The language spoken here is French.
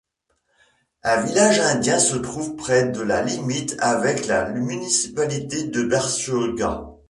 Un village indien se trouve près de la limite avec la municipalité de Bertioga.